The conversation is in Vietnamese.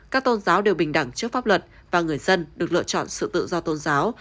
các tôn giáo đều bình đẳng trước pháp luật và người dân được lựa chọn sự tự do tôn giáo